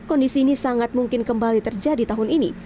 kondisi ini sangat mungkin kembali terjadi tahun ini